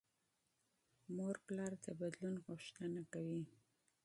والدین د بدلون غوښتنه کوي.